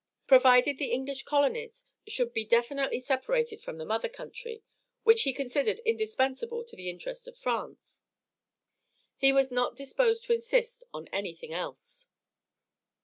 Provided the English colonies should be definitely separated from the mother country, which he considered indispensable to the interest of France, he was not disposed to insist on anything else.